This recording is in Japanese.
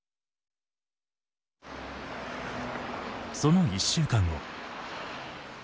その１週間後。